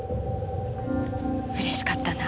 嬉しかったな。